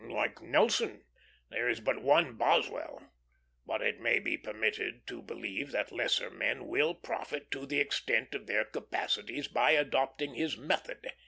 Like Nelson, there is but one Boswell; but it may be permitted to believe that lesser men will profit to the extent of their capacities by adopting his method.